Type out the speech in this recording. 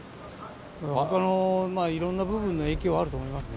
ほかのいろんな部分の影響はあると思いますね。